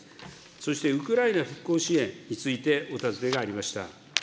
そしてウクライナ復興支援についてお尋ねがありました。